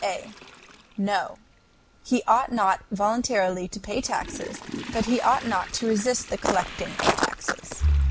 A. No; he ought not voluntarily to pay taxes, but he ought not to resist the collecting of taxes.